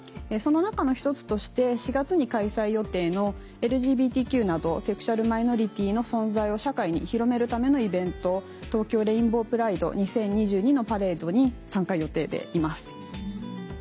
その中の１つとして４月に開催予定のＬＧＢＴＱなどセクシュアルマイノリティの存在を社会に広めるためのイベント東京レインボープライド２０２２のパレードに参加予定でいます。